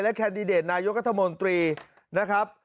แคนดิเดตนายกัธมนตรีนะครับ